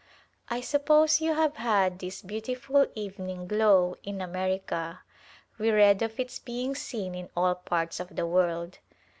I suppose you have had this beautiful evening glow in America. We read of its being seen in all parts of the world.